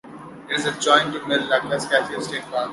It is adjoined to Mille Lacs Kathio State Park.